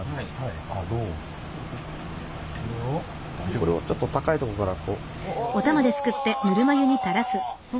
これをちょっと高いとこからこう。